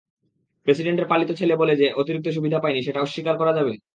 প্রেসিডেন্টের পালিত ছেলে বলে যে অতিরিক্ত সুবিধা পাইনি সেটা অস্বীকার করা যাবে?